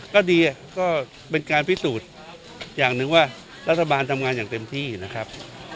ก็ดีก็เป็นการพิสูจน์อย่างหนึ่งว่ารัฐบาลทำงานอย่างเต็มที่นะครับ